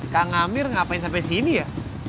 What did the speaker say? kang amir ngapain sampai sini ya